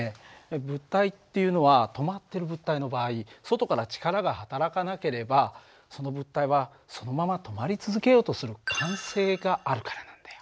物体っていうのは止まってる物体の場合外から力がはたらかなければその物体はそのまま止まり続けようとする慣性があるからなんだよ。